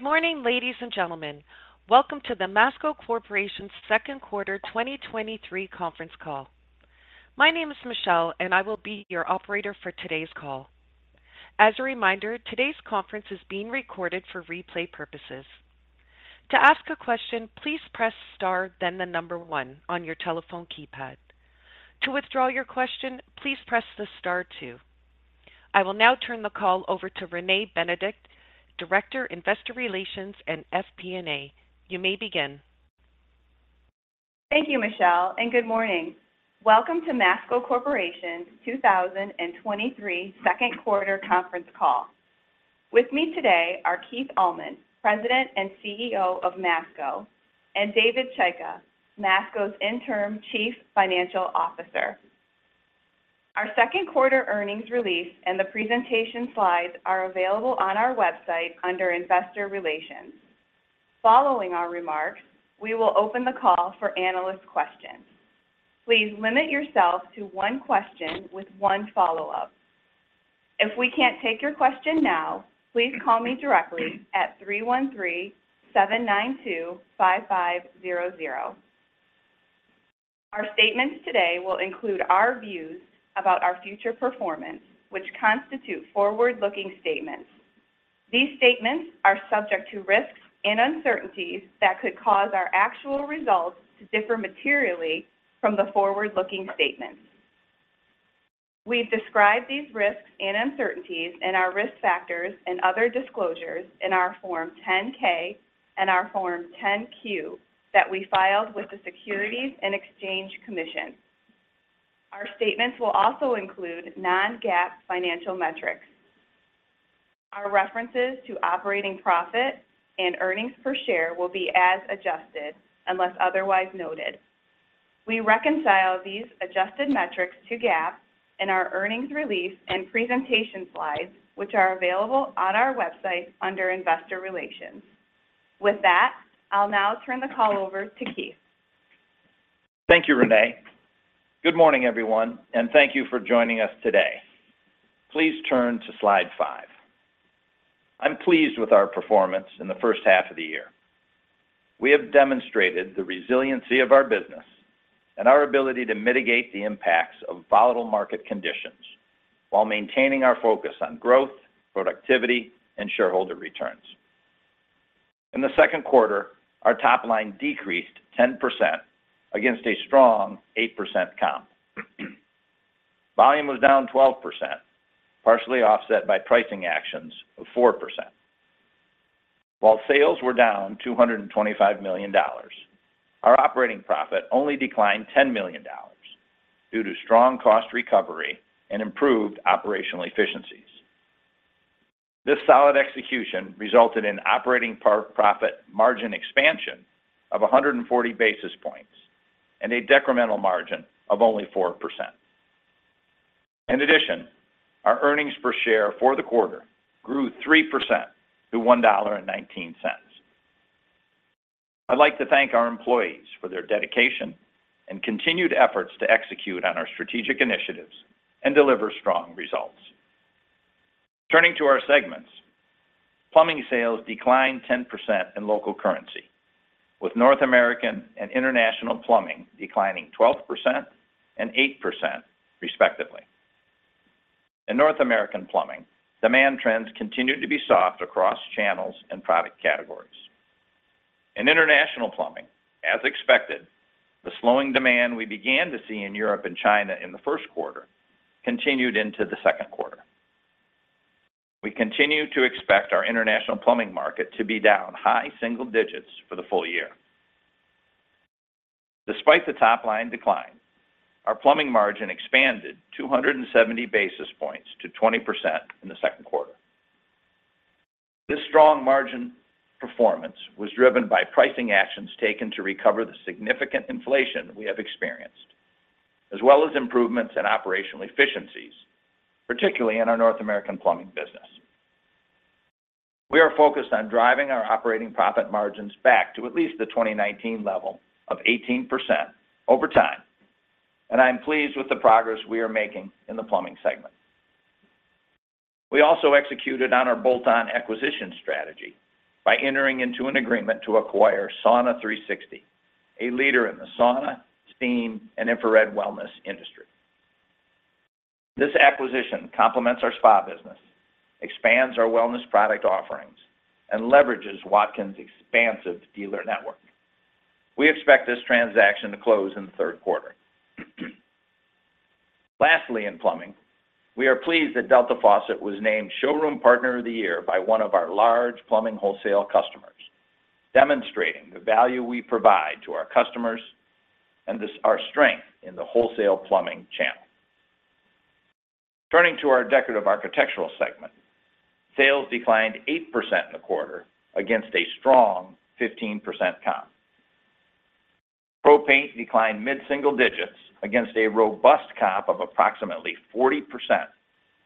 Good morning, ladies and gentlemen. Welcome to the Masco Corporation's second quarter 2023 conference call. My name is Michelle. I will be your operator for today's call. As a reminder, today's conference is being recorded for replay purposes. To ask a question, please press star, then the 1 on your telephone keypad. To withdraw your question, please press the star two. I will now turn the call over to Renee Benedict, Director, Investor Relations and FP&A. You may begin. Thank you, Michelle. Good morning. Welcome to Masco Corporation's 2023 second quarter conference call. With me today are Keith Allman, President and CEO of Masco, and David Chaika, Masco's Interim Chief Financial Officer. Our second quarter earnings release and the presentation slides are available on our website under Investor Relations. Following our remarks, we will open the call for analyst questions. Please limit yourself to one question with one follow-up. If we can't take your question now, please call me directly at 313-792-5500. Our statements today will include our views about our future performance, which constitute forward-looking statements. These statements are subject to risks and uncertainties that could cause our actual results to differ materially from the forward-looking statements. We've described these risks and uncertainties in our risk factors and other disclosures in our Form 10-K and our Form 10-Q that we filed with the Securities and Exchange Commission. Our statements will also include non-GAAP financial metrics. Our references to operating profit and earnings per share will be as adjusted, unless otherwise noted. We reconcile these adjusted metrics to GAAP in our earnings release and presentation slides, which are available on our website under Investor Relations. With that, I'll now turn the call over to Keith. Thank you, Renee. Good morning, everyone, and thank you for joining us today. Please turn to slide five. I'm pleased with our performance in the first half of the year. We have demonstrated the resiliency of our business and our ability to mitigate the impacts of volatile market conditions while maintaining our focus on growth, productivity, and shareholder returns. In the second quarter, our top line decreased 10% against a strong 8% comp. Volume was down 12%, partially offset by pricing actions of 4%. While sales were down $225 million, our operating profit only declined $10 million due to strong cost recovery and improved operational efficiencies. This solid execution resulted in operating profit margin expansion of 140 basis points and a decremental margin of only 4%. Our earnings per share for the quarter grew 3% to $1.19. I'd like to thank our employees for their dedication and continued efforts to execute on our strategic initiatives and deliver strong results. Turning to our segments, plumbing sales declined 10% in local currency, with North American and international plumbing declining 12% and 8%, respectively. In North American plumbing, demand trends continued to be soft across channels and product categories. In international plumbing, as expected, the slowing demand we began to see in Europe and China in the first quarter continued into the second quarter. We continue to expect our international plumbing market to be down high single digits for the full year. Despite the top-line decline, our plumbing margin expanded 270 basis points to 20% in the second quarter. This strong margin performance was driven by pricing actions taken to recover the significant inflation we have experienced, as well as improvements in operational efficiencies, particularly in our North American plumbing business. We are focused on driving our operating profit margins back to at least the 2019 level of 18% over time, and I am pleased with the progress we are making in the plumbing segment. We also executed on our bolt-on acquisition strategy by entering into an agreement to acquire Sauna360, a leader in the sauna, steam, and infrared wellness industry. This acquisition complements our spa business, expands our wellness product offerings, and leverages Watkins' expansive dealer network. We expect this transaction to close in the third quarter. Lastly, in plumbing, we are pleased that Delta Faucet was named Showroom Partner of the Year by one of our large plumbing wholesale customers, demonstrating the value we provide to our customers and our strength in the wholesale plumbing channel. Turning to our Decorative Architectural segment, sales declined 8% in the quarter against a strong 15% comp. Pro paint declined mid-single digits against a robust comp of approximately 40%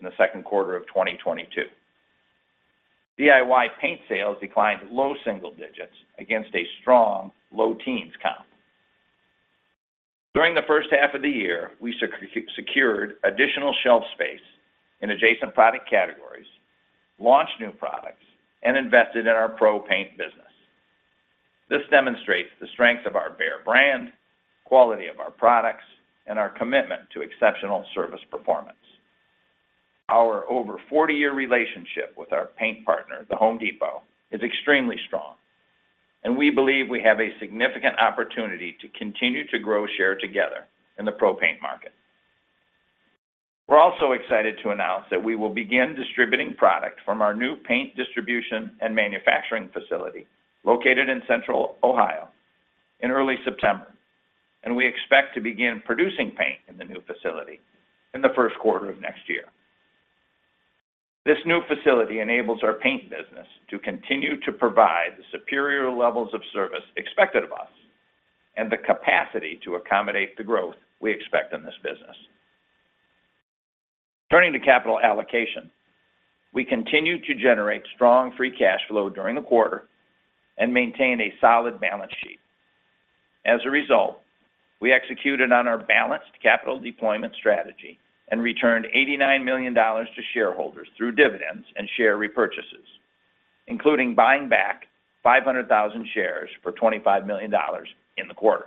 in the 2Q of 2022. DIY paint sales declined low single digits against a strong low teens comp. During the first half of the year, we secured additional shelf space in adjacent product categories, launched new products, and invested in our pro paint business. This demonstrates the strength of our Behr brand, quality of our products, and our commitment to exceptional service performance. Our over 40-year relationship with our paint partner, The Home Depot, is extremely strong. We believe we have a significant opportunity to continue to grow share together in the pro paint market. We're also excited to announce that we will begin distributing product from our new paint distribution and manufacturing facility, located in Central Ohio, in early September. We expect to begin producing paint in the new facility in the first quarter of next year. This new facility enables our paint business to continue to provide the superior levels of service expected of us and the capacity to accommodate the growth we expect in this business. Turning to capital allocation, we continued to generate strong free cash flow during the quarter and maintained a solid balance sheet. As a result, we executed on our balanced capital deployment strategy and returned $89 million to shareholders through dividends and share repurchases, including buying back 500,000 shares for $25 million in the quarter.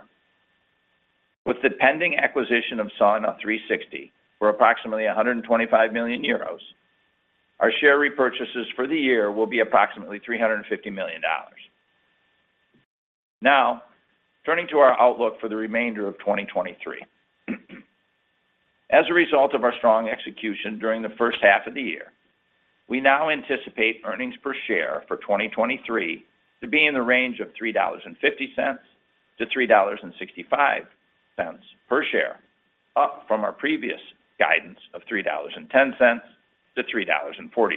With the pending acquisition of Sauna360 for approximately 125 million euros, our share repurchases for the year will be approximately $350 million. Turning to our outlook for the remainder of 2023. As a result of our strong execution during the first half of the year, we now anticipate earnings per share for 2023 to be in the range of $3.50-$3.65 per share, up from our previous guidance of $3.10-$3.40.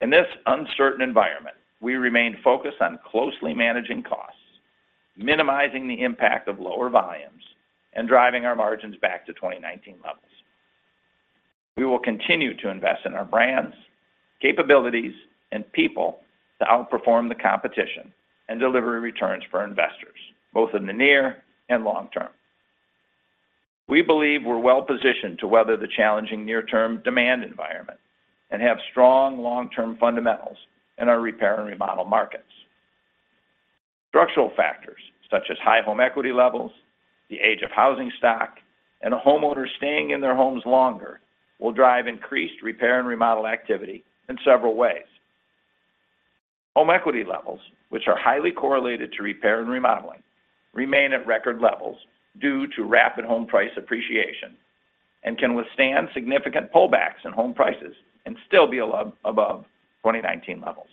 In this uncertain environment, we remain focused on closely managing costs, minimizing the impact of lower volumes, and driving our margins back to 2019 levels. We will continue to invest in our brands, capabilities, and people to outperform the competition and deliver returns for our investors, both in the near and long term. We believe we're well positioned to weather the challenging near-term demand environment and have strong long-term fundamentals in our repair and remodel markets. Structural factors such as high home equity levels, the age of housing stock, and homeowners staying in their homes longer, will drive increased repair and remodel activity in several ways. Home equity levels, which are highly correlated to repair and remodeling, remain at record levels due to rapid home price appreciation, and can withstand significant pullbacks in home prices and still be above 2019 levels.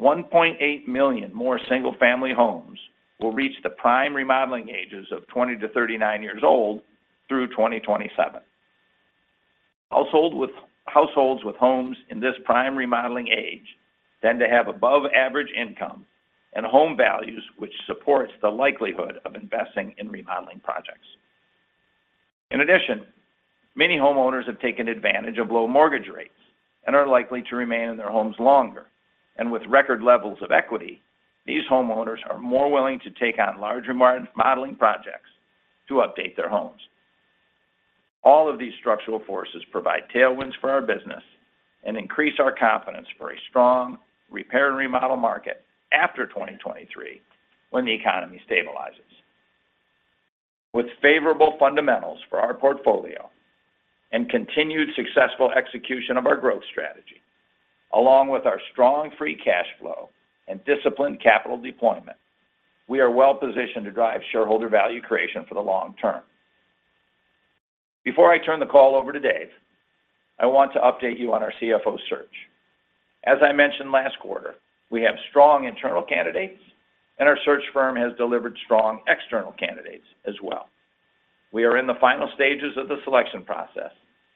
1.8 million more single-family homes will reach the prime remodeling ages of 20-39 years old through 2027. Households with homes in this prime remodeling age tend to have above-average income and home values, which supports the likelihood of investing in remodeling projects. In addition, many homeowners have taken advantage of low mortgage rates and are likely to remain in their homes longer. With record levels of equity, these homeowners are more willing to take on larger modeling projects to update their homes. All of these structural forces provide tailwinds for our business and increase our confidence for a strong repair and remodel market after 2023, when the economy stabilizes. With favorable fundamentals for our portfolio and continued successful execution of our growth strategy, along with our strong free cash flow and disciplined capital deployment, we are well positioned to drive shareholder value creation for the long term. Before I turn the call over to Dave, I want to update you on our CFO search. As I mentioned last quarter, we have strong internal candidates, and our search firm has delivered strong external candidates as well. We are in the final stages of the selection process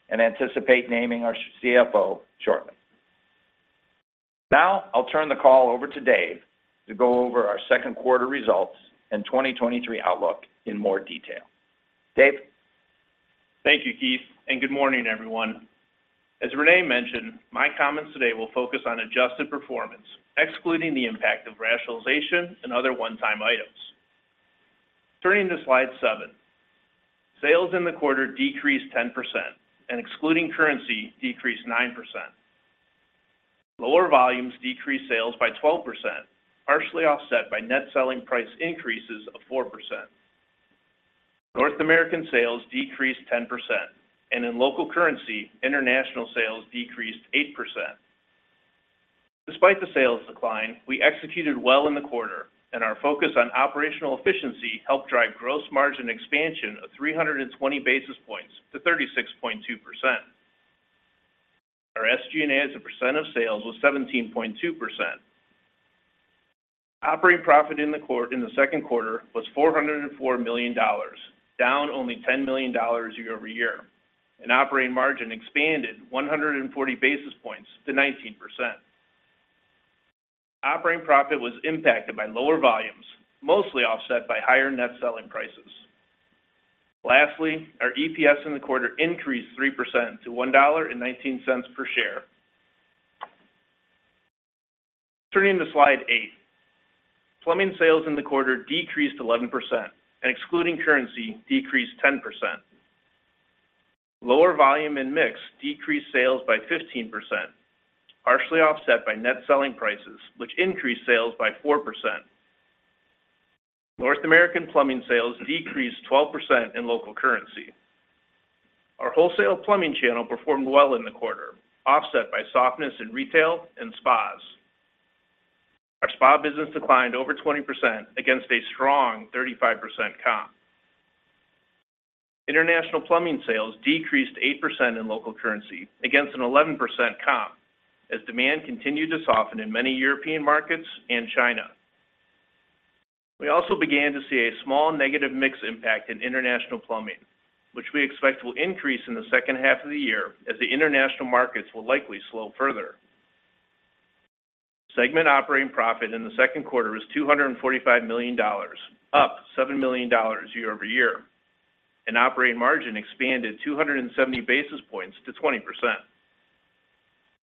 and anticipate naming our CFO shortly. I'll turn the call over to Dave to go over our second quarter results and 2023 outlook in more detail. Dave? Thank you, Keith. Good morning, everyone. As Renee mentioned, my comments today will focus on adjusted performance, excluding the impact of rationalization and other one-time items. Turning to slide seven. Sales in the quarter decreased 10%, and excluding currency, decreased 9%. Lower volumes decreased sales by 12%, partially offset by net selling price increases of 4%. North American sales decreased 10%, and in local currency, international sales decreased 8%. Despite the sales decline, we executed well in the quarter, and our focus on operational efficiency helped drive gross margin expansion of 320 basis points to 36.2%. Our SG&A as a percent of sales was 17.2%. Operating profit in the second quarter was $404 million, down only $10 million year-over-year. Operating margin expanded 140 basis points to 19%. Operating profit was impacted by lower volumes, mostly offset by higher net selling prices. Lastly, our EPS in the quarter increased 3% to $1.19 per share. Turning to slide eight. Plumbing sales in the quarter decreased 11%. Excluding currency, decreased 10%. Lower volume and mix decreased sales by 15%, partially offset by net selling prices, which increased sales by 4%. North American plumbing sales decreased 12% in local currency. Our wholesale plumbing channel performed well in the quarter, offset by softness in retail and spas. Our spa business declined over 20% against a strong 35% comp. International plumbing sales decreased 8% in local currency against an 11% comp, as demand continued to soften in many European markets and China. We also began to see a small negative mix impact in international plumbing, which we expect will increase in the second half of the year as the international markets will likely slow further. Segment operating profit in the second quarter was $245 million, up $7 million year-over-year, and operating margin expanded 270 basis points to 20%.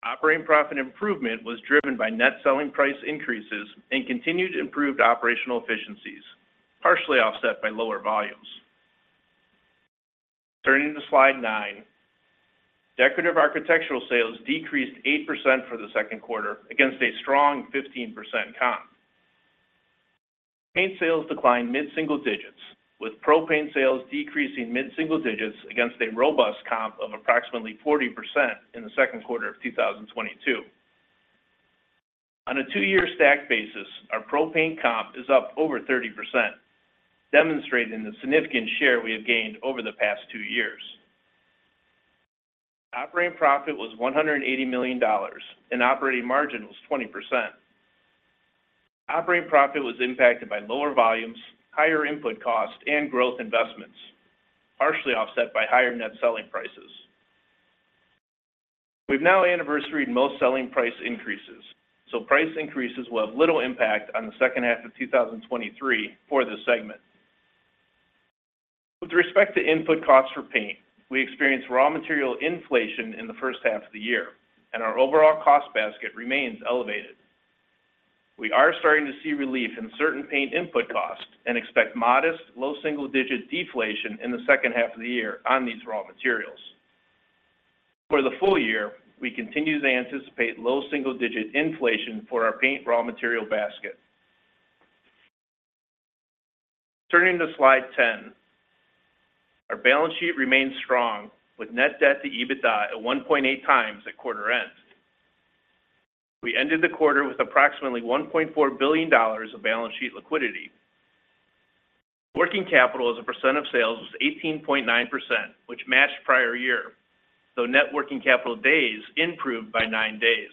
Operating profit improvement was driven by net selling price increases and continued improved operational efficiencies, partially offset by lower volumes. Turning to slide nine. Decorative Architectural sales decreased 8% for the second quarter against a strong 15% comp. Paint sales declined mid-single digits, with pro paint sales decreasing mid-single digits against a robust comp of approximately 40% in the second quarter of 2022. On a two-year stack basis, our pro paint comp is up over 30%, demonstrating the significant share we have gained over the past two years. Operating profit was $180 million, and operating margin was 20%. Operating profit was impacted by lower volumes, higher input costs, and growth investments, partially offset by higher net selling prices. We've now anniversaried most selling price increases, so price increases will have little impact on the second half of 2023 for this segment. With respect to input costs for paint, we experienced raw material inflation in the first half of the year, and our overall cost basket remains elevated. We are starting to see relief in certain paint input costs and expect modest low single-digit deflation in the second half of the year on these raw materials. For the full year, we continue to anticipate low single-digit inflation for our paint raw material basket. Turning to slide 10. Our balance sheet remains strong, with net debt to EBITDA at 1.8x at quarter end. We ended the quarter with approximately $1.4 billion of balance sheet liquidity. Working capital as a percent of sales was 18.9%, which matched prior year, though net working capital days improved by nine days.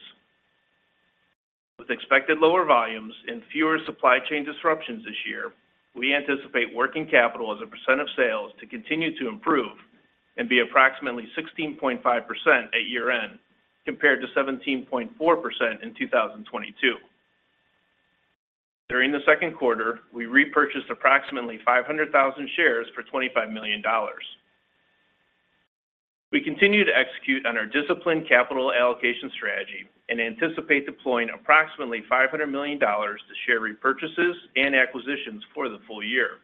With expected lower volumes and fewer supply chain disruptions this year, we anticipate working capital as a percent of sales to continue to improve and be approximately 16.5% at year-end, compared to 17.4% in 2022. During the second quarter, we repurchased approximately 500,000 shares for $25 million. We continue to execute on our disciplined capital allocation strategy and anticipate deploying approximately $500 million to share repurchases and acquisitions for the full year.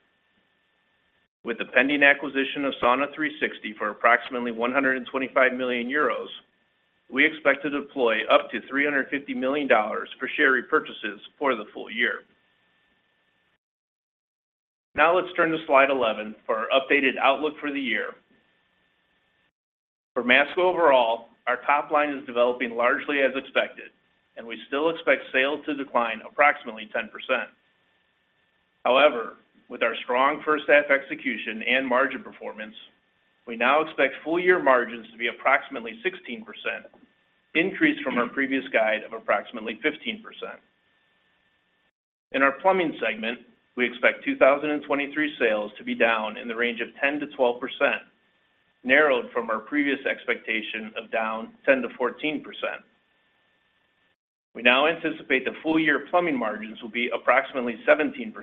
With the pending acquisition of Sauna360 for approximately 125 million euros, we expect to deploy up to $350 million for share repurchases for the full year. Let's turn to slide 11 for our updated outlook for the year. For Masco overall, our top line is developing largely as expected. We still expect sales to decline approximately 10%. However, with our strong first half execution and margin performance, we now expect full year margins to be approximately 16%, increased from our previous guide of approximately 15%. In our plumbing segment, we expect 2023 sales to be down in the range of 10%-12%, narrowed from our previous expectation of down 10%-14%. We now anticipate the full year plumbing margins will be approximately 17%,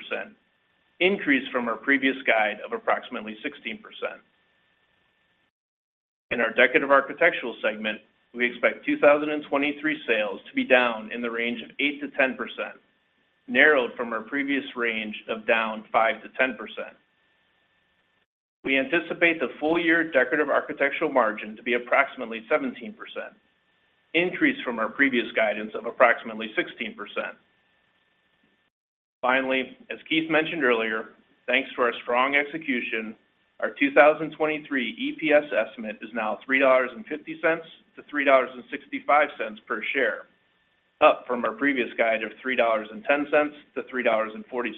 increased from our previous guide of approximately 16%. In our Decorative Architectural segment, we expect 2023 sales to be down in the range of 8%-10%, narrowed from our previous range of down 5%-10%. We anticipate the full year Decorative Architectural margin to be approximately 17%, increased from our previous guidance of approximately 16%. Finally, as Keith mentioned earlier, thanks to our strong execution, our 2023 EPS estimate is now $3.50 to $3.65 per share, up from our previous guide of $3.10 to $3.40.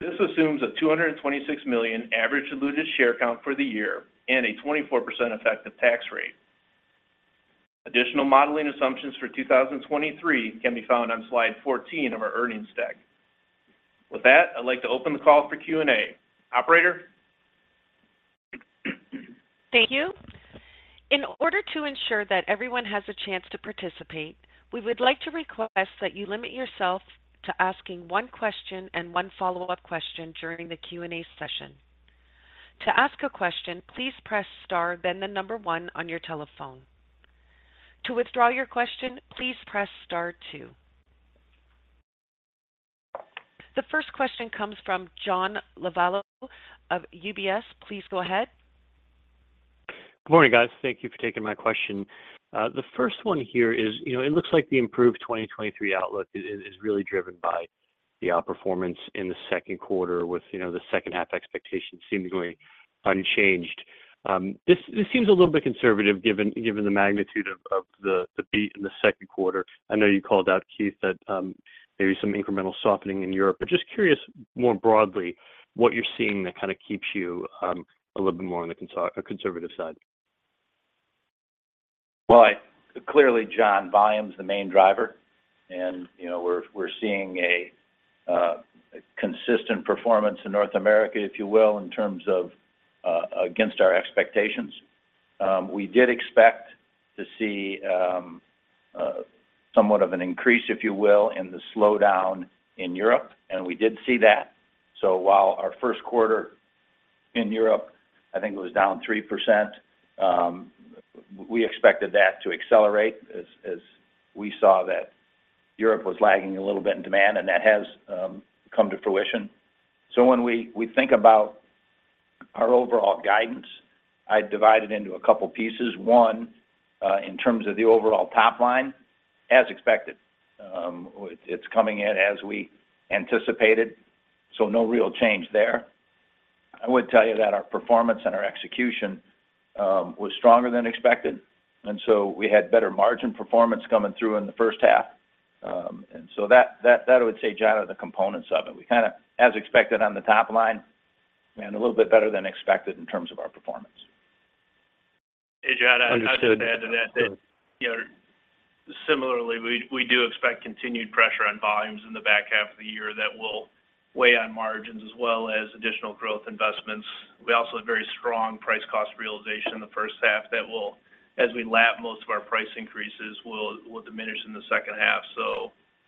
This assumes a $226 million average diluted share count for the year and a 24% effective tax rate. Additional modeling assumptions for 2023 can be found on slide 14 of our earnings deck. With that, I'd like to open the call for Q&A. Operator? Thank you. In order to ensure that everyone has a chance to participate, we would like to request that you limit yourself to asking one question and one follow-up question during the Q&A session. To ask a question, please press star, then the number one on your telephone. To withdraw your question, please press star two. The first question comes from John Lovallo of UBS. Please go ahead. Good morning, guys. Thank you for taking my question. The first one here is, you know, it looks like the improved 2023 outlook is really driven by the outperformance in the second quarter with, you know, the second half expectations seemingly unchanged. This seems a little bit conservative, given the magnitude of the beat in the second quarter. I know you called out, Keith, that maybe some incremental softening in Europe, but just curious more broadly, what you're seeing that kind of keeps you a little bit more on the conservative side? Clearly, John, volume is the main driver and, you know, we're seeing a consistent performance in North America, if you will, in terms of against our expectations. We did expect to see somewhat of an increase, if you will, in the slowdown in Europe, and we did see that. While our first quarter in Europe, I think it was down 3%, we expected that to accelerate as we saw that Europe was lagging a little bit in demand, and that has come to fruition. When we think about our overall guidance, I divide it into a couple pieces. One, in terms of the overall top line, as expected, it's coming in as we anticipated, so no real change there. I would tell you that our performance and our execution was stronger than expected, and so we had better margin performance coming through in the first half. That, I would say, John, are the components of it. We kind of as expected on the top line and a little bit better than expected in terms of our performance. Hey, John, I'd just add to that. Understood That, you know, similarly, we do expect continued pressure on volumes in the back half of the year that will weigh on margins as well as additional growth investments. We also have very strong price cost realization in the first half that will, as we lap, most of our price increases will diminish in the second half.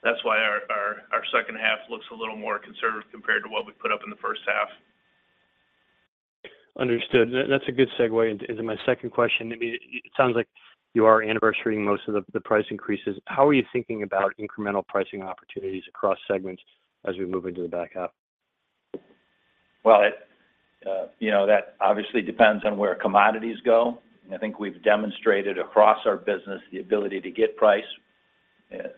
That's why our second half looks a little more conservative compared to what we put up in the first half. Understood. That's a good segue into my second question. I mean, it sounds like you are anniversarying most of the price increases. How are you thinking about incremental pricing opportunities across segments as we move into the back half? Well, it, you know, that obviously depends on where commodities go. I think we've demonstrated across our business the ability to get price,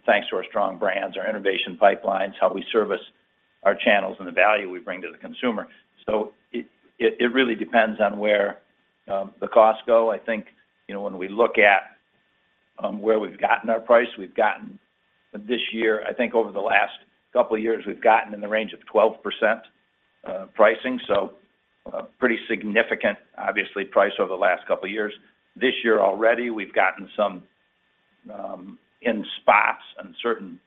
thanks to our strong brands, our innovation pipelines, how we service our channels and the value we bring to the consumer. It, it, it really depends on where the costs go. I think, you know, when we look at where we've gotten our price, we've gotten this year, I think over the last couple of years, we've gotten in the range of 12% pricing, so pretty significant, obviously, price over the last couple of years. This year already, we've gotten some in spots and certain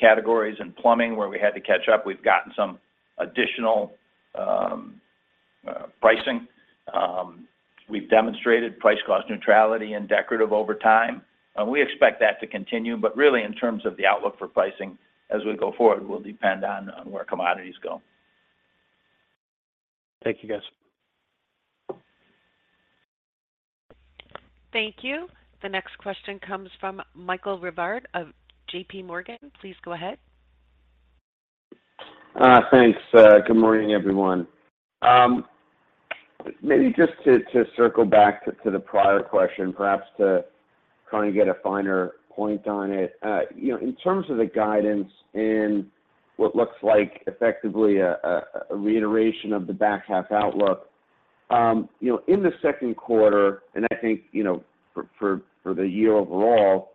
categories in plumbing, where we had to catch up. We've gotten some additional pricing. We've demonstrated price cost neutrality and Decorative over time, and we expect that to continue. Really, in terms of the outlook for pricing as we go forward, will depend on where commodities go. Thank you, guys. Thank you. The next question comes from Michael Rehaut of JPMorgan. Please go ahead. Thanks. Good morning, everyone. Maybe just to circle back to the prior question, perhaps to try and get a finer point on it. You know, in terms of the guidance and what looks like effectively a reiteration of the back half outlook, you know, in the second quarter, I think, you know, for the year overall,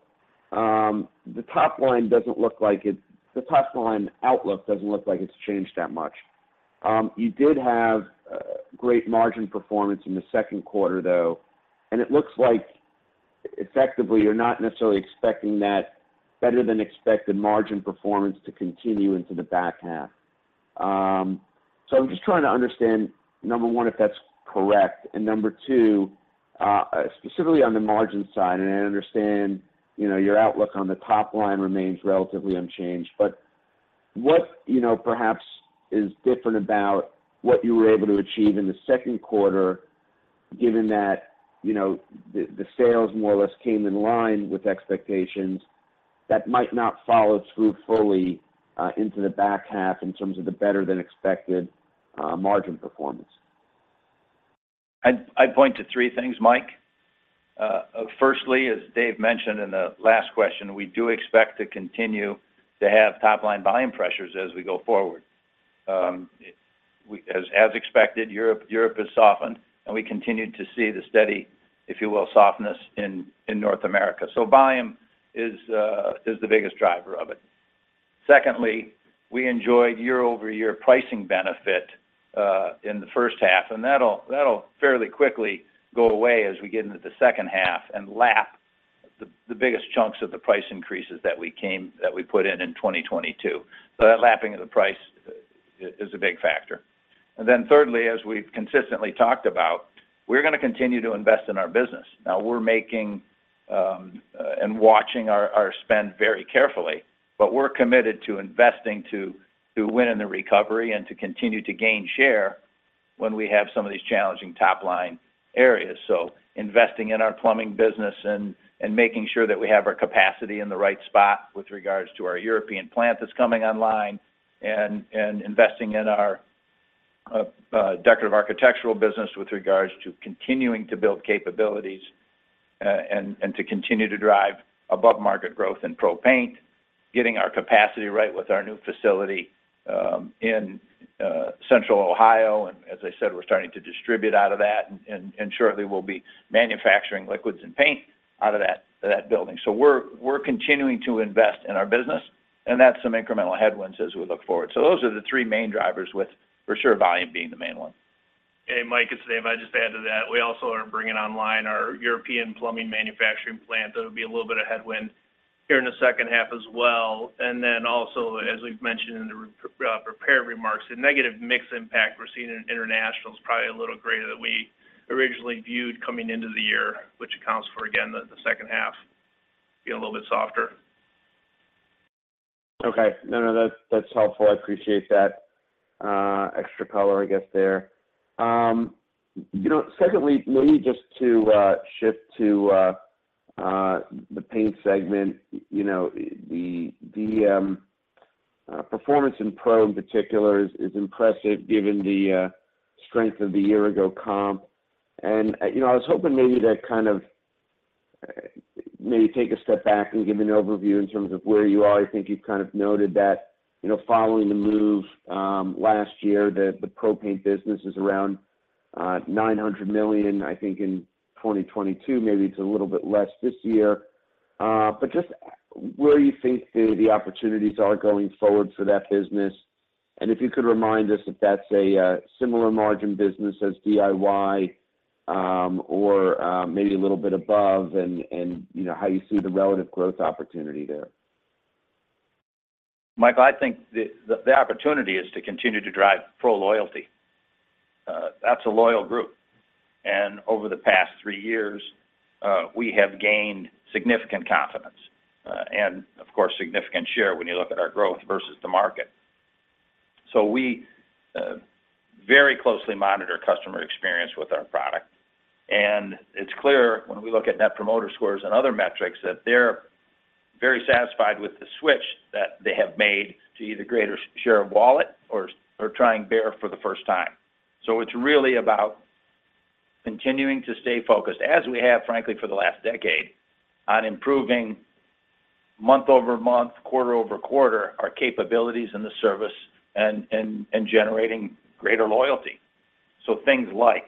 the top line outlook doesn't look like it's changed that much. You did have great margin performance in the second quarter, though, and it looks like effectively, you're not necessarily expecting that better than expected margin performance to continue into the back half. I'm just trying to understand, number one, if that's correct, and number two, specifically on the margin side, and I understand, you know, your outlook on the top line remains relatively unchanged, but what, you know, perhaps is different about what you were able to achieve in the second quarter, given that, you know, the, the sales more or less came in line with expectations that might not follow through fully into the back half in terms of the better than expected margin performance? I'd point to three things, Mike. Firstly, as Dave mentioned in the last question, we do expect to continue to have top-line volume pressures as we go forward. As expected, Europe has softened, and we continued to see the steady, if you will, softness in North America. Volume is the biggest driver of it. Secondly, we enjoyed year-over-year pricing benefit in the first half, and that'll fairly quickly go away as we get into the second half and lap the biggest chunks of the price increases that we put in in 2022. That lapping of the price is a big factor. Thirdly, as we've consistently talked about. We're going to continue to invest in our business. Now, we're making and watching our spend very carefully, but we're committed to investing to win in the recovery and to continue to gain share when we have some of these challenging top-line areas. Investing in our plumbing business and making sure that we have our capacity in the right spot with regards to our European plant that's coming online, investing in our Decorative Architectural business with regards to continuing to build capabilities and to continue to drive above-market growth in pro paint, getting our capacity right with our new facility in Central Ohio. As I said, we're starting to distribute out of that, and shortly we'll be manufacturing liquids and paint out of that building. We're continuing to invest in our business, and that's some incremental headwinds as we look forward. Those are the three main drivers, with for sure, volume being the main one. Hey, Mike, it's Dave. I'd just add to that, we also are bringing online our European plumbing manufacturing plant. That'll be a little bit of headwind here in the second half as well. Also, as we've mentioned in the prepared remarks, the negative mix impact we're seeing in international is probably a little greater than we originally viewed coming into the year, which accounts for, again, the second half being a little bit softer. Okay. No, that's, that's helpful. I appreciate that extra color, I guess, there. You know, secondly, maybe just to shift to the paint segment. You know, the performance in pro in particular is impressive given the strength of the year-ago comp. You know, I was hoping maybe to kind of maybe take a step back and give an overview in terms of where you are. I think you've kind of noted that, you know, following the move last year, the pro paint business is around $900 million, I think in 2022, maybe it's a little bit less this year. Just where you think the, the opportunities are going forward for that business, and if you could remind us if that's a similar margin business as DIY, or maybe a little bit above, and you know, how you see the relative growth opportunity there? Mike, I think the opportunity is to continue to drive pro loyalty. That's a loyal group, over the past three years, we have gained significant confidence, and of course, significant share when you look at our growth versus the market. We very closely monitor customer experience with our product, and it's clear when we look at Net Promoter Score and other metrics, that they're very satisfied with the switch that they have made to either greater share of wallet or trying Behr for the first time. It's really about continuing to stay focused, as we have, frankly, for the last decade, on improving month-over-month, quarter-over-quarter, our capabilities in the service and generating greater loyalty. Things like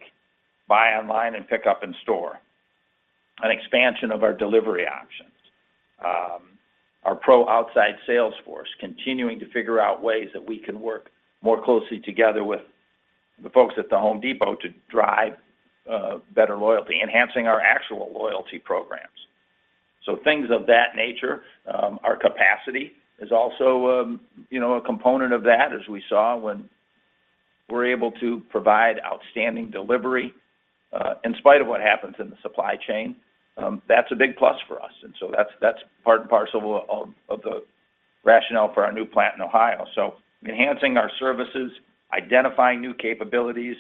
buy online and pick up in store, an expansion of our delivery options, our pro outside sales force, continuing to figure out ways that we can work more closely together with the folks at The Home Depot to drive better loyalty, enhancing our actual loyalty programs. Things of that nature. Our capacity is also, you know, a component of that, as we saw when we're able to provide outstanding delivery in spite of what happens in the supply chain. That's a big plus for us, and so that's part and parcel of the rationale for our new plant in Ohio. Enhancing our services, identifying new capabilities,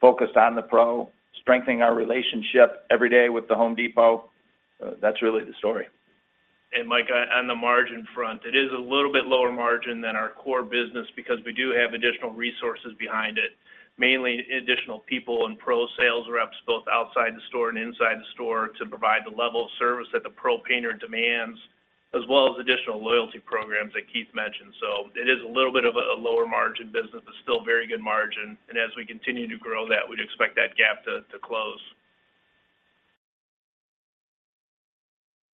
focused on the pro, strengthening our relationship every day with The Home Depot, that's really the story. Mike, on the margin front, it is a little bit lower margin than our core business because we do have additional resources behind it, mainly additional people and pro sales reps, both outside the store and inside the store, to provide the level of service that the pro painter demands, as well as additional loyalty programs that Keith mentioned. It is a little bit of a lower margin business. It's still very good margin, and as we continue to grow that, we'd expect that gap to close.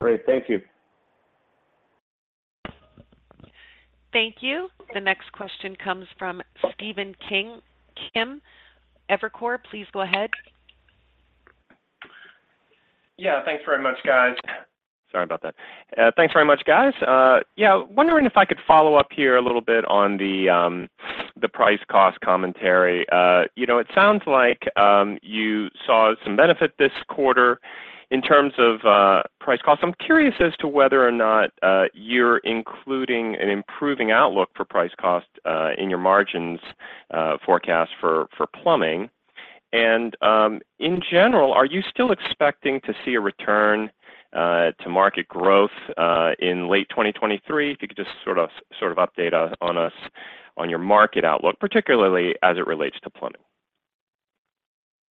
Great. Thank you. Thank you. The next question comes from Stephen Kim, Evercore, please go ahead. Yeah. Thanks very much, guys. Sorry about that. Thanks very much, guys. Yeah, wondering if I could follow up here a little bit on the price cost commentary. You know, it sounds like you saw some benefit this quarter in terms of price cost. I'm curious as to whether or not you're including an improving outlook for price cost in your margins forecast for plumbing. In general, are you still expecting to see a return to market growth in late 2023? If you could just sort of update us on your market outlook, particularly as it relates to plumbing.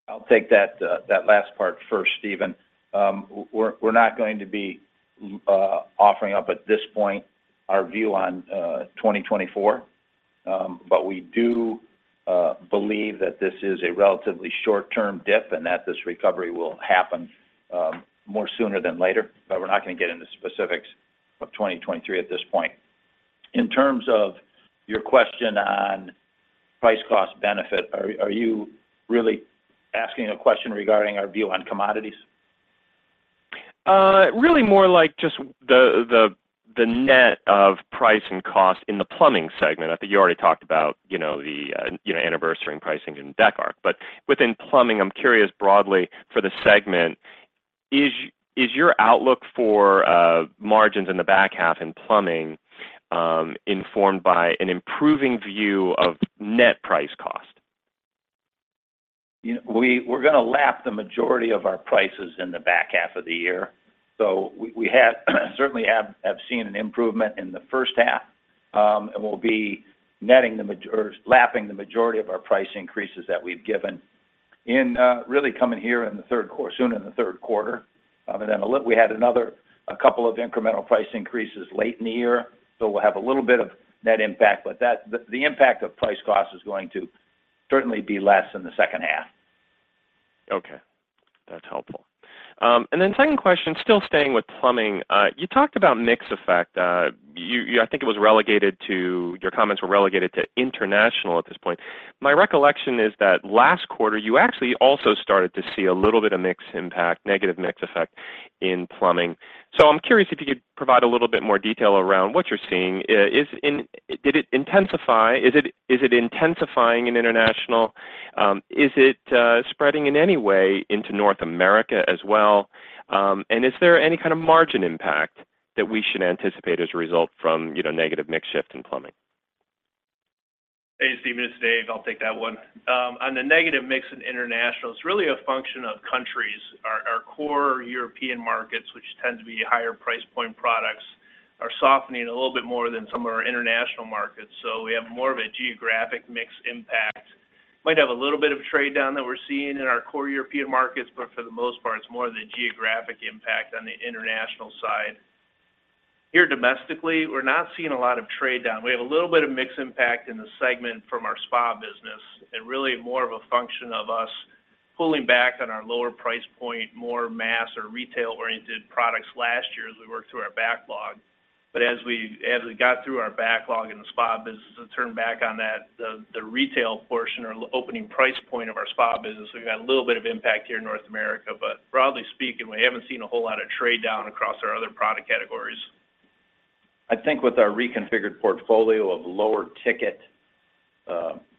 I'll take that, that last part first, Stephen. We're not going to be offering up at this point our view on 2024. We do believe that this is a relatively short-term dip and that this recovery will happen more sooner than later. We're not going to get into specifics of 2023 at this point. In terms of your question on price cost benefit, are you really asking a question regarding our view on commodities? Really more like just the net of price and cost in the plumbing segment. I think you already talked about, you know, the, you know, anniversary and pricing in Decorative. Within plumbing, I'm curious broadly for the segment, is your outlook for margins in the back half in plumbing informed by an improving view of net price cost? You know, we're gonna lap the majority of our prices in the back half of the year. We have certainly seen an improvement in the first half, and we'll be netting or lapping the majority of our price increases that we've given. In really coming here in the third quarter soon in the third quarter, and then we had another, a couple of incremental price increases late in the year, so we'll have a little bit of net impact. The impact of price cost is going to certainly be less in the second half. Okay. That's helpful. Then second question, still staying with plumbing. You talked about mix effect. Your comments were relegated to international at this point. My recollection is that last quarter, you actually also started to see a little bit of mix impact, negative mix effect in plumbing. I'm curious if you could provide a little bit more detail around what you're seeing? Did it intensify? Is it intensifying in international? Is it spreading in any way into North America as well? Is there any kind of margin impact that we should anticipate as a result from, you know, negative mix shift in plumbing? Hey, Stephen, it's Dave. I'll take that one. On the negative mix in international, it's really a function of countries. Our core European markets, which tend to be higher price point products, are softening a little bit more than some of our international markets, so we have more of a geographic mix impact. Might have a little bit of trade down that we're seeing in our core European markets, but for the most part, it's more of the geographic impact on the international side. Here domestically, we're not seeing a lot of trade down. We have a little bit of mix impact in the segment from our spa business, really more of a function of us pulling back on our lower price point, more mass or retail-oriented products last year as we worked through our backlog. As we got through our backlog in the spa business to turn back on that, the retail portion or opening price point of our spa business, we've had a little bit of impact here in North America. Broadly speaking, we haven't seen a whole lot of trade down across our other product categories. I think with our reconfigured portfolio of lower ticket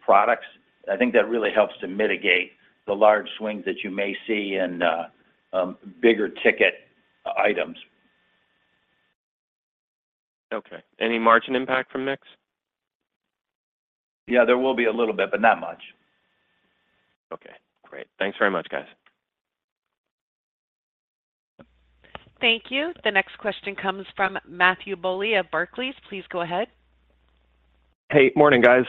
products, I think that really helps to mitigate the large swings that you may see in bigger ticket items. Okay. Any margin impact from mix? Yeah, there will be a little bit, but not much. Okay, great. Thanks very much, guys. Thank you. The next question comes from Matthew Bouley of Barclays. Please go ahead. Hey, morning, guys.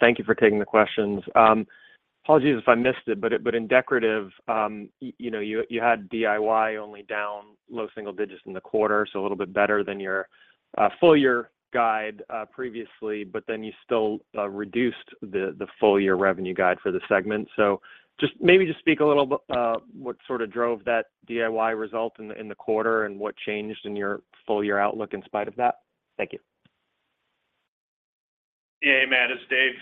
Thank you for taking the questions. Apologies if I missed it, but in Decorative, you know, you had DIY only down low single digits in the quarter, so a little bit better than your full year guide previously, but then you still reduced the full-year revenue guide for the segment. Just maybe just speak a little bit what sort of drove that DIY result in the quarter, and what changed in your full-year outlook in spite of that? Thank you. Yeah, Matt, it's Dave.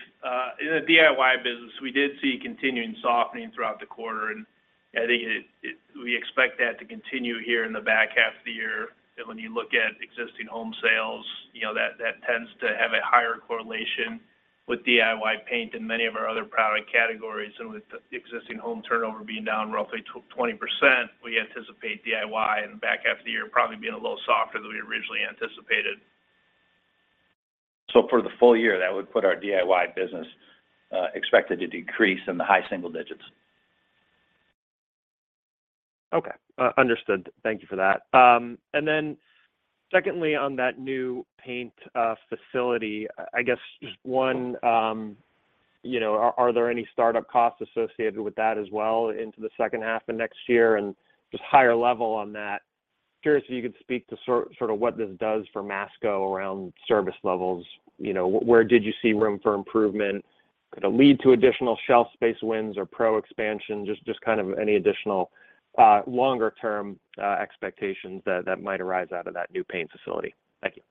In the DIY business, we did see continuing softening throughout the quarter, and I think we expect that to continue here in the back half of the year. When you look at existing home sales, you know, that, that tends to have a higher correlation with DIY paint than many of our other product categories. With the existing home turnover being down roughly 20%, we anticipate DIY in the back half of the year, probably being a little softer than we originally anticipated. For the full year, that would put our DIY business, expected to decrease in the high single digits. Okay. Understood. Thank you for that. Secondly, on that new paint facility, I guess just one, you know, are there any startup costs associated with that as well into the second half of next year? Just higher level on that, curious if you could speak to sort of what this does for Masco around service levels. You know, where did you see room for improvement? Did it lead to additional shelf space wins or pro expansion? Just kind of any additional longer term expectations that might arise out of that new paint facility. Thank you.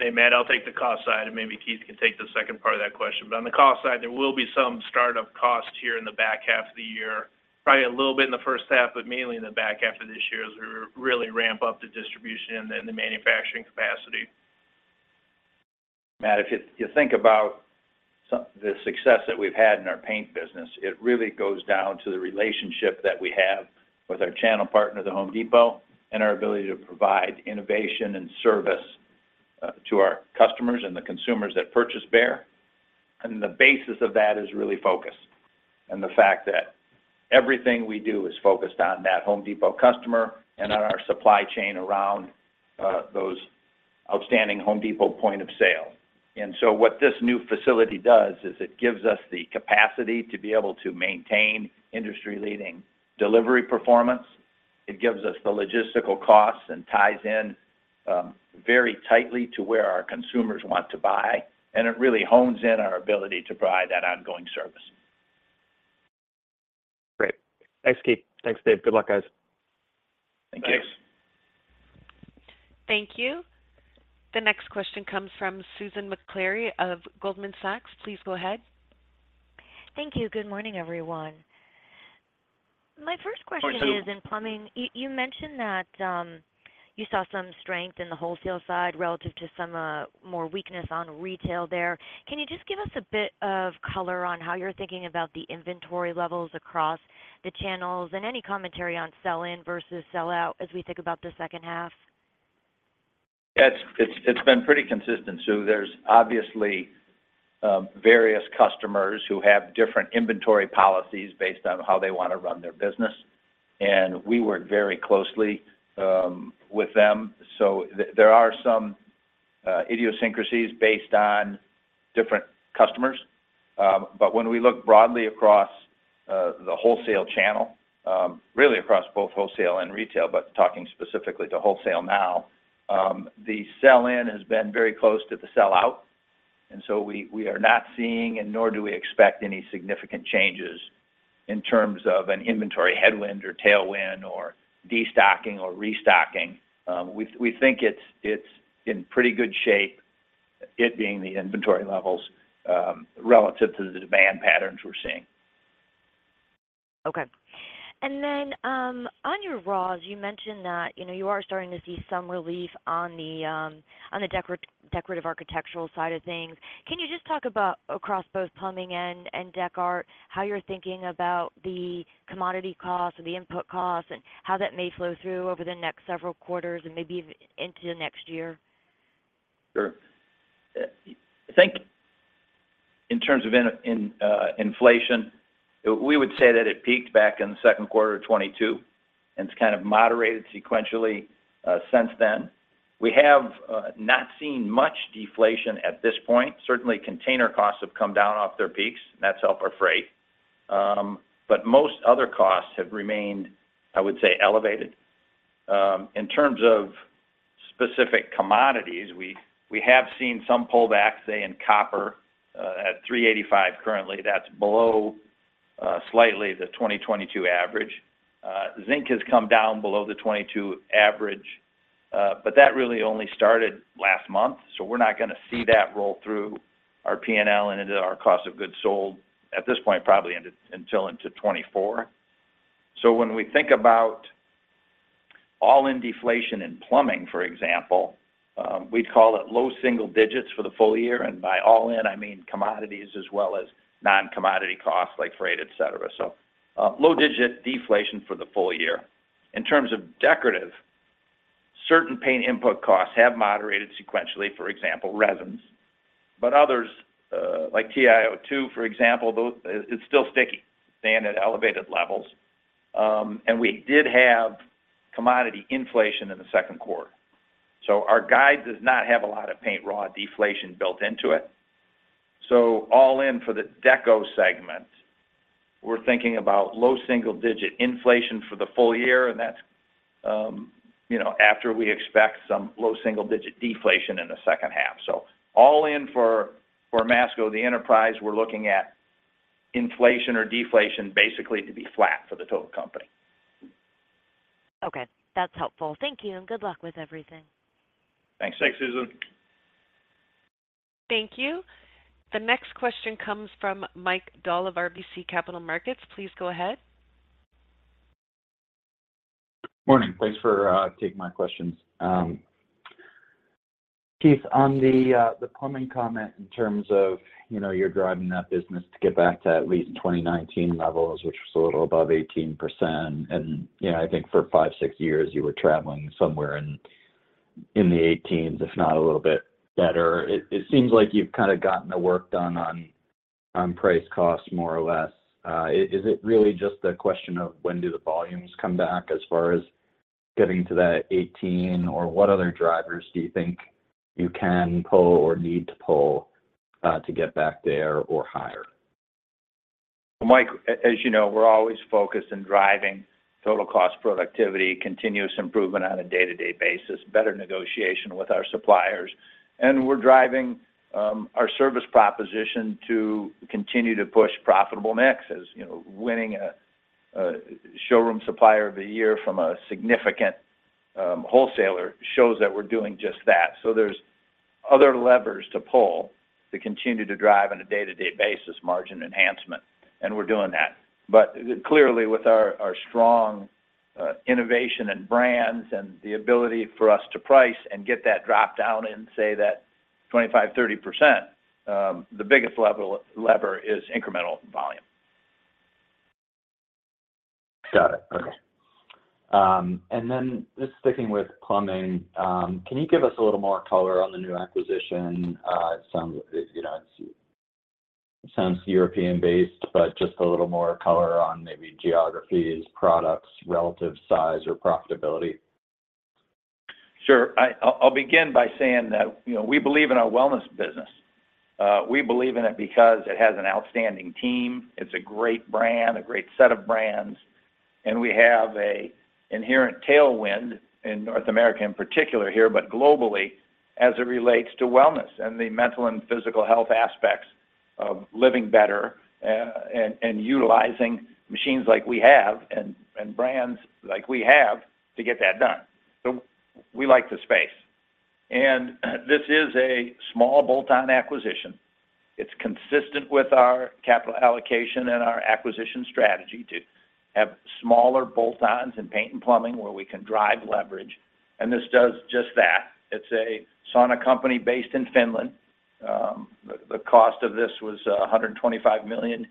Hey, Matt, I'll take the cost side, and maybe Keith can take the second part of that question. On the cost side, there will be some start-up costs here in the back half of the year. Probably a little bit in the first half, but mainly in the back half of this year, as we really ramp up the distribution and the manufacturing capacity. Matt, if you think about the success that we've had in our paint business, it really goes down to the relationship that we have with our channel partner, The Home Depot, and our ability to provide innovation and service to our customers and the consumers that purchase Behr. The basis of that is really focus, and the fact that everything we do is focused on that The Home Depot customer and on our supply chain around those outstanding The Home Depot point of sale. What this new facility does is it gives us the capacity to be able to maintain industry-leading delivery performance. It gives us the logistical costs and ties in very tightly to where our consumers want to buy, and it really hones in on our ability to provide that ongoing service. Great. Thanks, Keith. Thanks, Dave. Good luck, guys. Thank you. Thank you. The next question comes from Susan Maklari of Goldman Sachs. Please go ahead. Thank you. Good morning, everyone. Hi, Sue. is in plumbing. You mentioned that, you saw some strength in the wholesale side relative to some, more weakness on retail there. Can you just give us a bit of color on how you're thinking about the inventory levels across the channels? Any commentary on sell-in versus sell-out as we think about the second half? Yeah, it's been pretty consistent, Sue. There's obviously various customers who have different inventory policies based on how they want to run their business, and we work very closely with them. There are some idiosyncrasies based on different customers. But when we look broadly across the wholesale channel, really across both wholesale and retail, but talking specifically to wholesale now, the sell-in has been very close to the sell-out. We are not seeing, and nor do we expect any significant changes in terms of an inventory headwind or tailwind, or destocking or restocking. We think it's in pretty good shape, it being the inventory levels, relative to the demand patterns we're seeing. Okay. on your raws, you mentioned that, you know, you are starting to see some relief on the, on the Decorative Architectural side of things. Can you just talk about across both plumbing and, Deco, how you're thinking about the commodity costs or the input costs, and how that may flow through over the next several quarters and maybe even into next year? Sure. I think in terms of inflation, we would say that it peaked back in the second quarter of 2022. It's kind of moderated sequentially since then. We have not seen much deflation at this point. Certainly, container costs have come down off their peaks, and that's helped our freight. Most other costs have remained, I would say, elevated. In terms of specific commodities, we have seen some pullbacks, say, in copper at $3.85 currently. That's below slightly the 2022 average. Zinc has come down below the 2022 average. That really only started last month, we're not going to see that roll through our PNL and into our cost of goods sold at this point, probably until into 2024. When we think about all-in deflation in plumbing, for example, we'd call it low single digits for the full year. By all in, I mean commodities as well as non-commodity costs, like freight, et cetera. Low digit deflation for the full year. In terms of Decorative, certain paint input costs have moderated sequentially, for example, resins. Others, like TiO2, for example, those, it's still sticky, staying at elevated levels. We did have commodity inflation in the second quarter. Our guide does not have a lot of paint raw deflation built into it. All in for the Deco segment, we're thinking about low single digit inflation for the full year, and that's, you know, after we expect some low single digit deflation in the second half. All in for Masco, the enterprise, we're looking at inflation or deflation basically to be flat for the total company. Okay. That's helpful. Thank you. Good luck with everything. Thanks. Thanks, Susan. Thank you. The next question comes from Michael Dahl of RBC Capital Markets. Please go ahead. Morning. Thanks for taking my questions. Keith, on the plumbing comment in terms of, you know, you're driving that business to get back to at least 2019 levels, which was a little above 18%. You know, I think for five, six years, you were traveling somewhere in the 18%s, if not a little bit better. It seems like you've kind of gotten the work done on price costs, more or less. Is it really just a question of when do the volumes come back as far as getting to that 18%, or what other drivers do you think you can pull or need to pull to get back there or higher? Mike, as you know, we're always focused on driving total cost productivity, continuous improvement on a day-to-day basis, better negotiation with our suppliers. We're driving our service proposition to continue to push profitable mix. As you know, winning a showroom supplier of the year from a significant wholesaler shows that we're doing just that. There's other levers to pull to continue to drive on a day-to-day basis, margin enhancement, and we're doing that. Clearly, with our strong innovation and brands, and the ability for us to price and get that drop down in, say, that 25%-30%, the biggest lever is incremental volume. Got it. Okay. Just sticking with plumbing, can you give us a little more color on the new acquisition? It sounds, you know, it sounds European-based, just a little more color on maybe geographies, products, relative size or profitability. Sure. I'll begin by saying that, you know, we believe in our wellness business. We believe in it because it has an outstanding team, it's a great brand, a great set of brands, and we have a inherent tailwind in North America, in particular here, but globally as it relates to wellness and the mental and physical health aspects of living better and utilizing machines like we have and brands like we have to get that done. We like the space. This is a small bolt-on acquisition. It's consistent with our capital allocation and our acquisition strategy to have smaller bolt-ons in paint and plumbing where we can drive leverage, and this does just that. It's a sauna company based in Finland. The cost of this was 125 million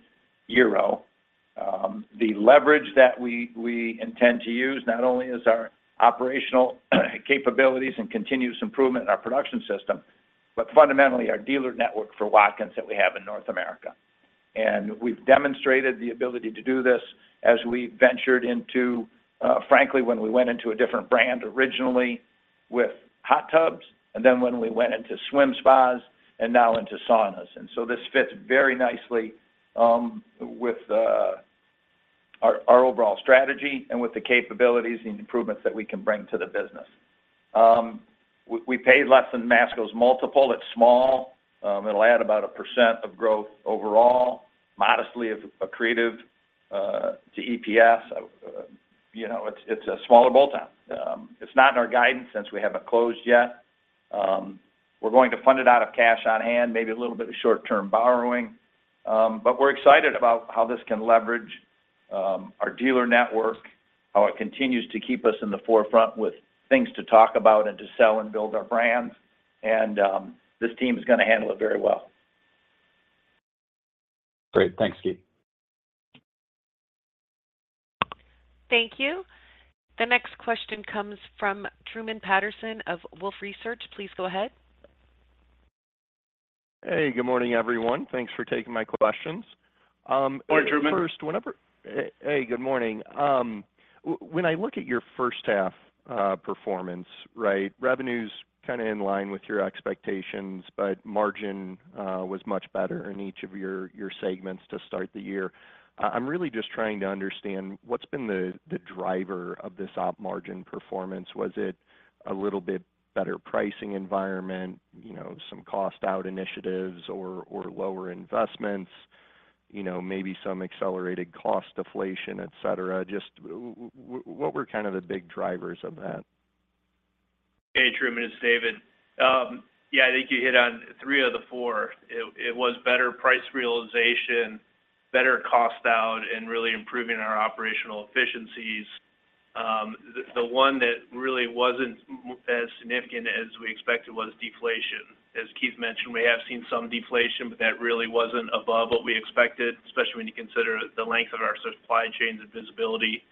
euro. The leverage that we intend to use not only is our operational capabilities and continuous improvement in our production system, but fundamentally, our dealer network for Watkins that we have in North America. We've demonstrated the ability to do this as we ventured into frankly, when we went into a different brand originally with hot tubs, and then when we went into swim spas, and now into saunas. This fits very nicely with our overall strategy and with the capabilities and improvements that we can bring to the business. We paid less than Masco's multiple. It's small. It'll add about 1% of growth overall, modestly accretive to EPS. You know, it's a smaller bolt-on. It's not in our guidance since we haven't closed yet. We're going to fund it out of cash on hand, maybe a little bit of short-term borrowing. We're excited about how this can leverage our dealer network, how it continues to keep us in the forefront with things to talk about and to sell and build our brands. This team is gonna handle it very well. Great. Thanks, Keith. Thank you. The next question comes from Truman Patterson of Wolfe Research. Please go ahead. Hey, good morning, everyone. Thanks for taking my questions. Morning, Truman. Hey, good morning. when I look at your first half performance, right? Revenue's kind of in line with your expectations, but margin was much better in each of your segments to start the year. I'm really just trying to understand what's been the driver of this op margin performance. Was it a little bit better pricing environment, you know, some cost-out initiatives or lower investments? You know, maybe some accelerated cost deflation, et cetera. Just what were kind of the big drivers of that? Hey, Truman, it's David. Yeah, I think you hit on three of the four. It was better price realization, better cost out, and really improving our operational efficiencies. The one that really wasn't as significant as we expected was deflation. As Keith Allman mentioned, we have seen some deflation, but that really wasn't above what we expected, especially when you consider the length of our supply chains and visibility.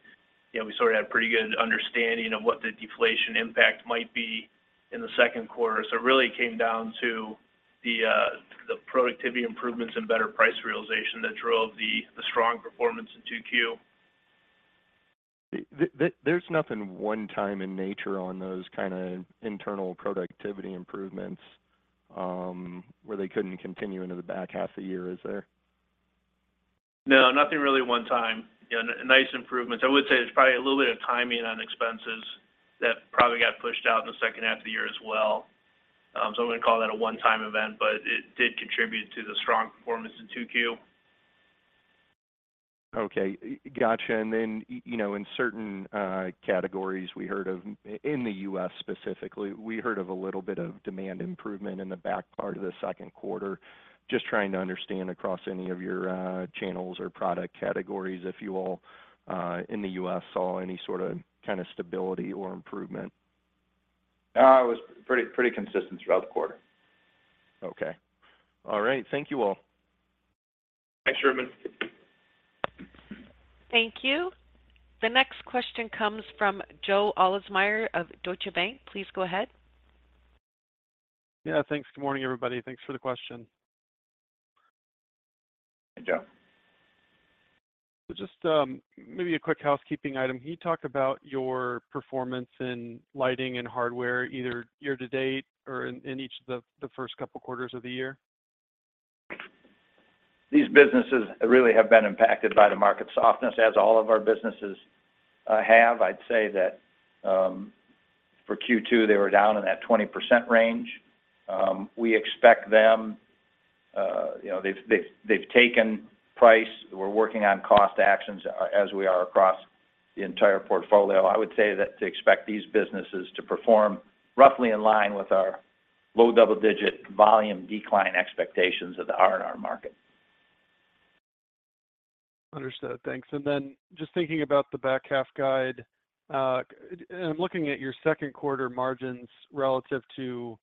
Yeah, we sort of had a pretty good understanding of what the deflation impact might be in the second quarter. It really came down to the productivity improvements and better price realization that drove the strong performance in 2Q. There's nothing one time in nature on those kind of internal productivity improvements, where they couldn't continue into the back half of the year, is there? No, nothing really one-time. Yeah, nice improvements. I would say there's probably a little bit of timing on expenses that probably got pushed out in the second half of the year as well. I'm going to call that a one-time event, but it did contribute to the strong performance in 2Q. Okay, gotcha. You know, in certain categories, we heard of in the U.S. specifically, we heard of a little bit of demand improvement in the back part of the second quarter. Just trying to understand across any of your channels or product categories, if you all in the U.S. saw any sort of kind of stability or improvement. it was pretty consistent throughout the quarter. Okay. All right. Thank you, all. Thanks, Truman. Thank you. The next question comes from Joseph Ahlersmeyer of Deutsche Bank. Please go ahead. Yeah, thanks. Good morning, everybody. Thanks for the question. Hey, Joe. Just, maybe a quick housekeeping item. Can you talk about your performance in lighting and hardware, either year to date or in each of the first couple quarters of the year? These businesses really have been impacted by the market softness, as all of our businesses have. I'd say that, for Q2, they were down in that 20% range. We expect them, you know, they've taken price. We're working on cost actions, as we are across the entire portfolio. I would say that to expect these businesses to perform roughly in line with our low double-digit volume decline expectations of the R&R market. Understood. Thanks. Just thinking about the back half guide, and looking at your second quarter margins relative to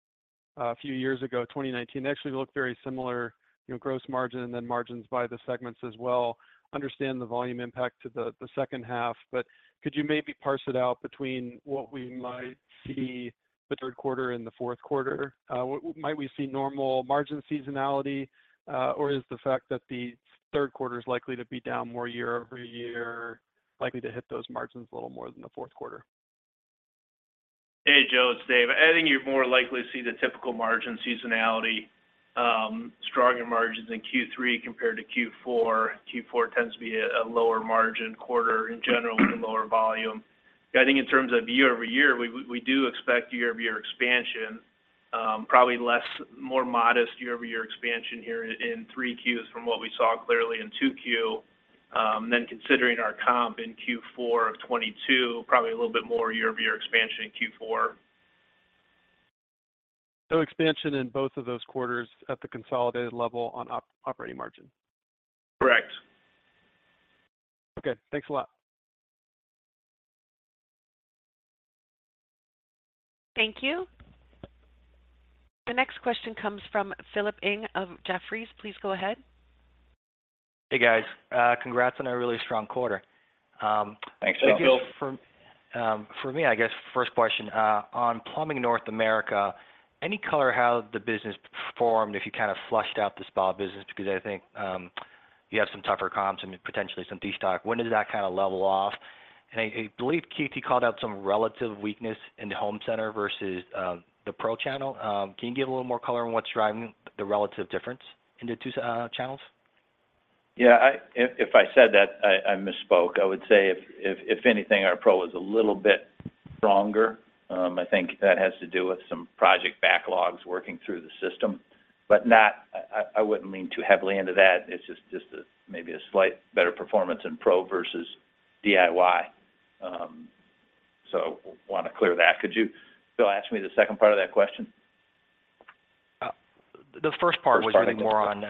a few years ago, 2019 actually looked very similar, you know, gross margin and then margins by the segments as well. Understand the volume impact to the second half, but could you maybe parse it out between what we might see the third quarter and the fourth quarter? Might we see normal margin seasonality, or is the fact that the third quarter is likely to be down more year-over-year, likely to hit those margins a little more than the fourth quarter? Hey, Joe, it's David. I think you're more likely to see the typical margin seasonality, stronger margins in Q3 compared to Q4. Q4 tends to be a lower margin quarter in general, with a lower volume. I think in terms of year-over-year, we do expect year-over-year expansion, probably less, more modest year-over-year expansion here in three Qs from what we saw clearly in 2Q. Considering our comp in Q4 of 2022, probably a little bit more year-over-year expansion in Q4. Expansion in both of those quarters at the consolidated level on operating margin? Correct. Okay, thanks a lot. Thank you. The next question comes from Philip Ng of Jefferies. Please go ahead. Hey, guys. Congrats on a really strong quarter. Thanks, Phil. For me, I guess first question on Plumbing North America, any color how the business performed if you kind of flushed out the spa business? Because I think you have some tougher comps and potentially some destock. When did that kind of level off? I believe Keith called out some relative weakness in the home center versus the pro channel. Can you give a little more color on what's driving the relative difference in the two channels? Yeah, if I said that, I misspoke. I would say if anything, our pro is a little bit stronger. I think that has to do with some project backlogs working through the system, but not... I wouldn't lean too heavily into that. It's just a maybe a slight better performance in pro versus DIY. Want to clear that. Could you, Phil, ask me the second part of that question? The first part. First part of the question. was more on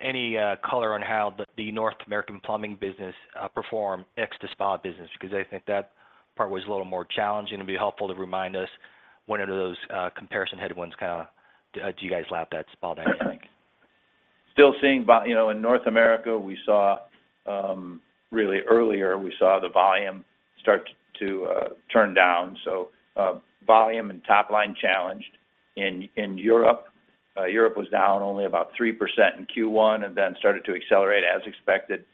any color on how the North American plumbing business performed ex the spa business, because I think that part was a little more challenging. It'd be helpful to remind us when are those comparison headwinds kind of do you guys lap that spa back, I think? Still seeing You know, in North America, we saw really earlier, we saw the volume start to turn down, so volume and top line challenged in, in Europe. Europe was down only about 3% in Q1 and then started to accelerate as expected.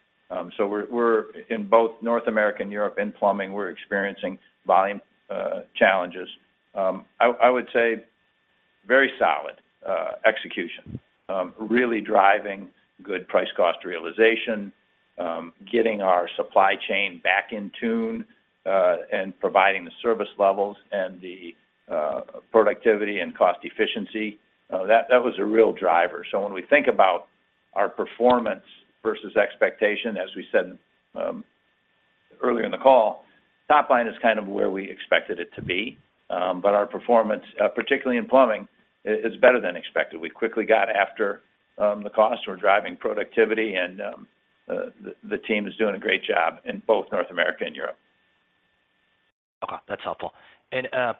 We're in both North America and Europe, in plumbing, we're experiencing volume challenges. I would say very solid execution, really driving good price cost realization, getting our supply chain back in tune, and providing the service levels and the productivity and cost efficiency. That was a real driver. When we think about our performance versus expectation, as we said, earlier in the call, top line is kind of where we expected it to be, but our performance, particularly in plumbing, is better than expected. We quickly got after the cost. We're driving productivity, and the team is doing a great job in both North America and Europe. Okay, that's helpful.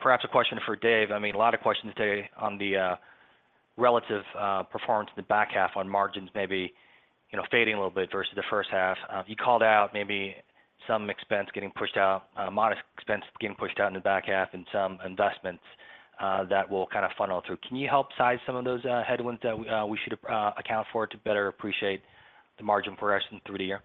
Perhaps a question for Dave. I mean, a lot of questions today on the, relative, performance in the back half on margins, maybe, you know, fading a little bit versus the first half. You called out maybe some expense getting pushed out, modest expense getting pushed out in the back half and some investments, that will kind of funnel through. Can you help size some of those, headwinds that we should, account for to better appreciate the margin progression through the year?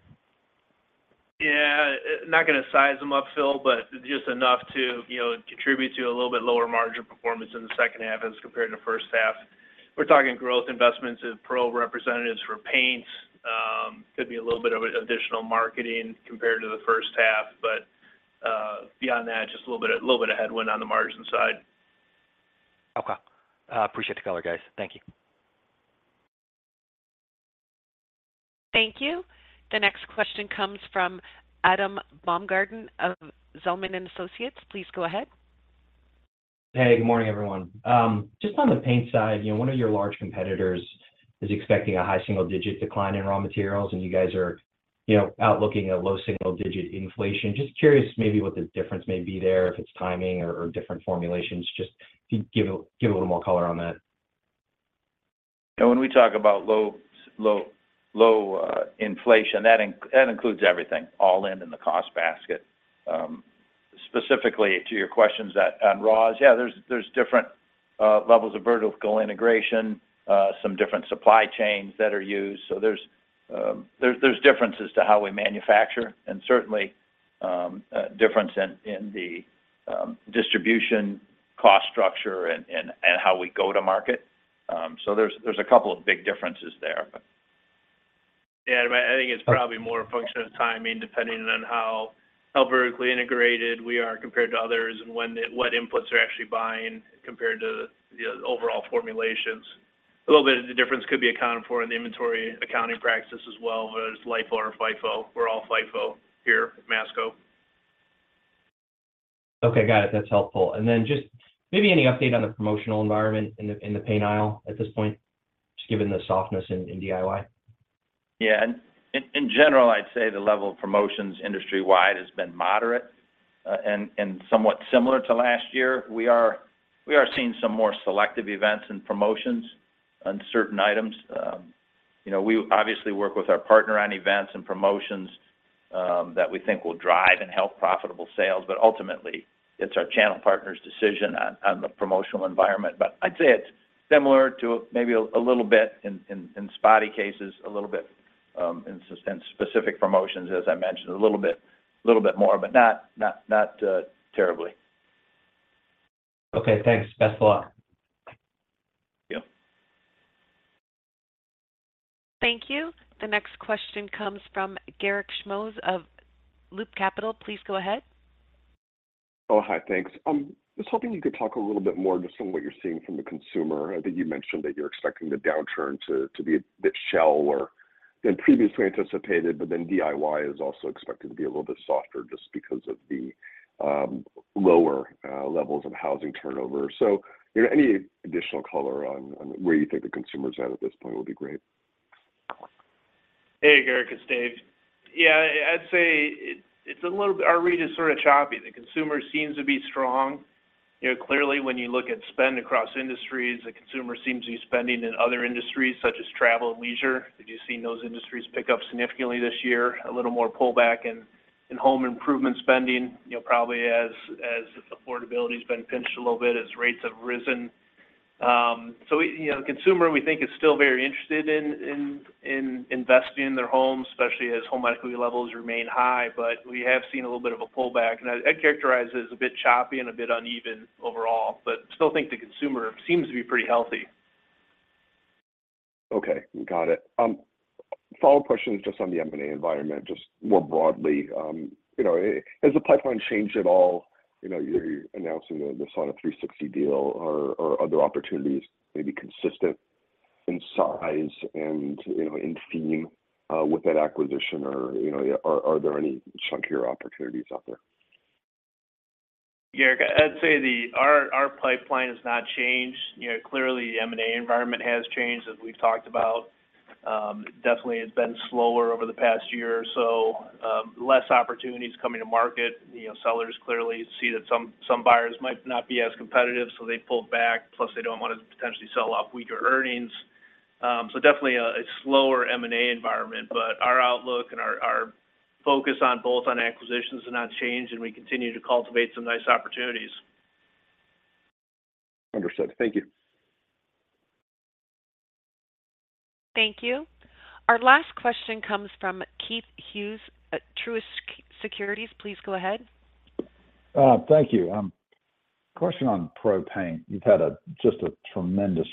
Yeah. Not going to size them up, Phil, but just enough to, you know, contribute to a little bit lower margin performance in the second half as compared to the first half. We're talking growth investments in pro representatives for paints. Could be a little bit of additional marketing compared to the first half, but beyond that, just a little bit of headwind on the margin side. Okay. Appreciate the color, guys. Thank you. Thank you. The next question comes from Adam Baumgarten of Zelman & Associates. Please go ahead. Hey, good morning, everyone. Just on the paint side, you know, one of your large competitors is expecting a high single-digit decline in raw materials, and you guys are, you know, outlooking a low single-digit inflation. Just curious, maybe what the difference may be there, if it's timing or different formulations? Just if you give a little more color on that. When we talk about low, low, low inflation, that includes everything, all in, in the cost basket. Specifically to your questions at, on raws, yeah, there's different levels of vertical integration, some different supply chains that are used. There's differences to how we manufacture and certainly, difference in, in the distribution cost structure and how we go to market. There's a couple of big differences there, but... Yeah, I mean, I think it's probably more a function of timing, depending on how, how vertically integrated we are compared to others and when what inputs we're actually buying compared to the, the overall formulations. A little bit of the difference could be accounted for in the inventory accounting practice as well, whether it's LIFO or FIFO. We're all FIFO here at Masco. Okay, got it. That's helpful. Just maybe any update on the promotional environment in the paint aisle at this point, just given the softness in DIY? Yeah. In general, I'd say the level of promotions industry-wide has been moderate, and somewhat similar to last year. We are seeing some more selective events and promotions on certain items. You know, we obviously work with our partner on events and promotions that we think will drive and help profitable sales, but ultimately, it's our channel partner's decision on the promotional environment. I'd say it's similar to maybe a little bit in spotty cases, a little bit, in specific promotions, as I mentioned, a little bit more, but not terribly. Okay, thanks. Best of luck. Thank you. The next question comes from Garik Shmois of Loop Capital. Please go ahead. Hi, thanks. I was hoping you could talk a little bit more just on what you're seeing from the consumer. I think you mentioned that you're expecting the downturn to be a bit shallower than previously anticipated, but then DIY is also expected to be a little bit softer just because of the lower levels of housing turnover. You know, any additional color on where you think the consumer is at this point will be great. Hey, Garrick, it's Dave. Yeah, I'd say our read is sort of choppy. The consumer seems to be strong. You know, clearly, when you look at spend across industries, the consumer seems to be spending in other industries such as travel and leisure. We've just seen those industries pick up significantly this year, a little more pullback in home improvement spending, you know, probably as affordability has been pinched a little bit as rates have risen. You know, the consumer, we think, is still very interested in investing in their homes, especially as home equity levels remain high. We have seen a little bit of a pullback, and I'd characterize it as a bit choppy and a bit uneven overall, but still think the consumer seems to be pretty healthy. Okay, got it. Follow-up question just on the M&A environment, just more broadly. You know, has the pipeline changed at all? You know, you're announcing the Sauna360 deal or other opportunities, maybe consistent in size and, you know, in theme with that acquisition, or, you know, are there any chunkier opportunities out there? I'd say our pipeline has not changed. You know, clearly, the M&A environment has changed, as we've talked about. Definitely, it's been slower over the past year or so, less opportunities coming to market. You know, sellers clearly see that some buyers might not be as competitive, so they pulled back, plus they don't want to potentially sell off weaker earnings. Definitely a slower M&A environment, but our outlook and our focus on both on acquisitions have not changed, and we continue to cultivate some nice opportunities. Understood. Thank you. Thank you. Our last question comes from Keith Hughes at Truist Securities. Please go ahead. Thank you. Question on pro paint. You've had a just a tremendous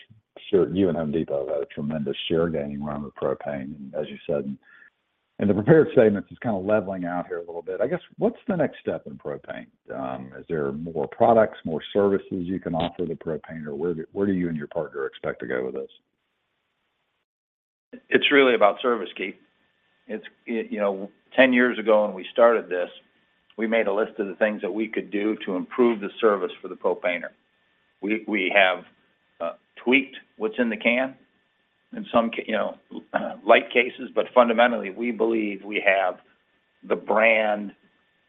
share. You and The Home Depot have had a tremendous share gaining around the pro paint, as you said. In the prepared statements, it's kind of leveling out here a little bit. I guess, what's the next step in pro paint? Is there more products, more services you can offer the pro painter, or where do you and your partner expect to go with this? It's really about service, Keith. It's, you know, 10 years ago, when we started this, we made a list of the things that we could do to improve the service for the pro painter. We have tweaked what's in the can in some, you know, light cases, but fundamentally, we believe we have the brand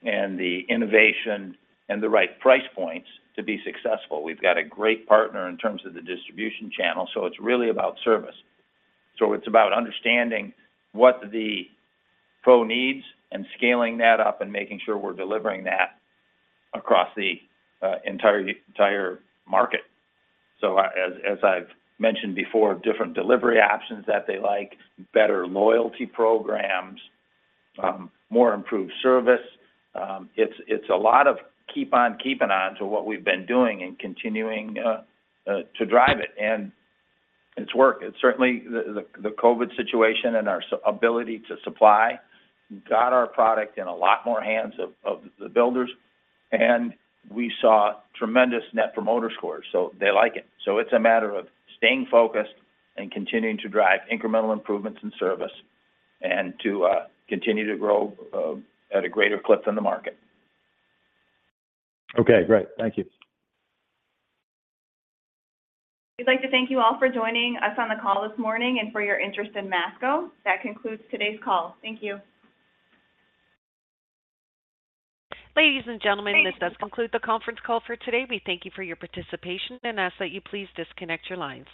and the innovation and the right price points to be successful. We've got a great partner in terms of the distribution channel, so it's really about service. It's about understanding what the pro needs and scaling that up and making sure we're delivering that across the entire market. As I've mentioned before, different delivery options that they like, better loyalty programs, more improved service. It's a lot of keep on keeping on to what we've been doing and continuing to drive it, and it's working. Certainly, the COVID situation and our ability to supply got our product in a lot more hands of the builders, and we saw tremendous Net Promoter Scores, so they like it. It's a matter of staying focused and continuing to drive incremental improvements in service and to continue to grow at a greater clip than the market. Okay, great. Thank you. We'd like to thank you all for joining us on the call this morning and for your interest in Masco. That concludes today's call. Thank you. Ladies and gentlemen, this does conclude the conference call for today. We thank you for your participation and ask that you please disconnect your lines.